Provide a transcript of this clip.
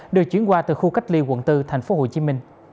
được chuyển qua từ khu cách ly quận bốn tp hcm